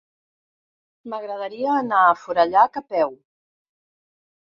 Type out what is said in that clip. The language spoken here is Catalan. M'agradaria anar a Forallac a peu.